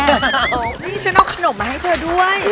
นี่กะลมมาให้เธอด้วย